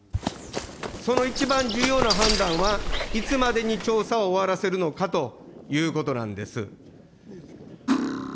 その一番重要な判断は、いつまでに調査を終わらせるのかということなんです。